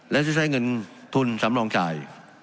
และจะใช้เงินทุนสำรองจ่าย